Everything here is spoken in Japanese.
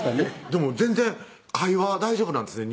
でも全然会話大丈夫なんですね